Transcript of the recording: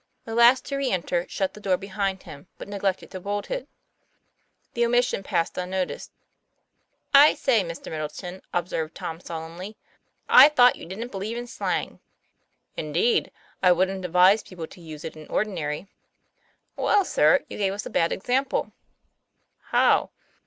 The last to re enter shut the door behind him, but neglected to bolt it. The omission passed unnoticed. ' I say, Mr. Middleton, "' observed Tom solemnly, ;' I thought you didn't believe in slang." ''Indeed! I wouldn't advise people to use it in ordinary." 'Well, sir, you gave us bad example." "How?"